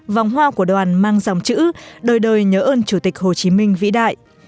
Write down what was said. vòng hoa của đoàn mang dòng chữ đời đời nhớ ơn chủ tịch hồ chí minh vĩ đại